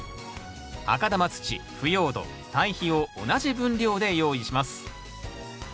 赤玉土・腐葉土・堆肥を同じ分量で用意します。